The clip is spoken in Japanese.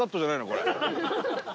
これ。